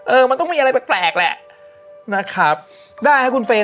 เออมันต้องมีอะไรแปลกแปลกแหละนะครับได้ครับคุณเฟรน